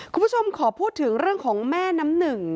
คุณผู้ชมขอพูดถึงเรื่องของแม่น้ำหนึ่ง